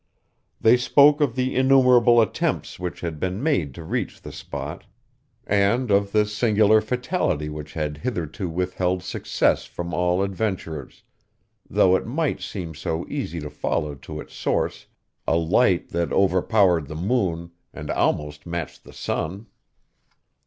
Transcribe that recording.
They spoke of the innumerable attempts which had been made to reach the spot, and of the singular fatality which had hitherto withheld success from all adventurers, though it might seem so easy to follow to its source a light that overpowered the moon, and almost matched the sun.